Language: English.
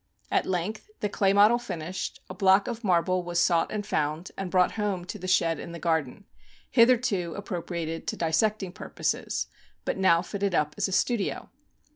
At length, the clay model finished, a block of marble was sought and found, and brought home to the shed in the garden, hitherto appropri ated to dissecting purposes, but now fitted up as a studio.